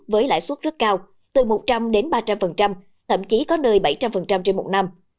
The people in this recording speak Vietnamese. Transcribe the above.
với lãi suất rất cao từ một trăm linh đến ba trăm linh thậm chí có nơi bảy trăm linh trên một năm